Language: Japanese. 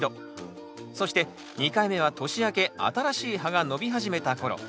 そして２回目は年明け新しい葉が伸び始めた頃。